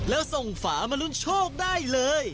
แล้วส่งฝามาลุ้นโชคได้เลย